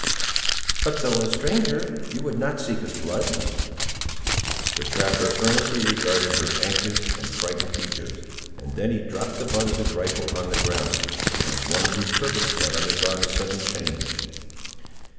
"But though a stranger, you would not seek his blood!" The trapper earnestly regarded her anxious and frightened features, and then he dropped the butt of his rifle on the ground, like one whose purpose had undergone a sudden change.